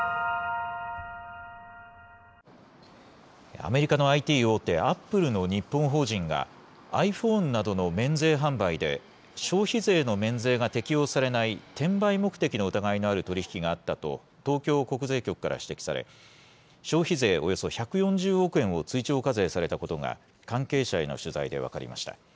アメリカのＩＴ大手、アップルの日本法人が、ｉＰｈｏｎｅなどの免税販売で、消費税の免税が適用されない転売目的の疑いのある取り引きがあったと、東京国税局から指摘され、消費税およそ１４０億円を追徴課税されたことが、関係者への取材で分かりました。